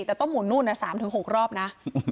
แต่ต้องหุ่นนู่น๓๖รอบนะ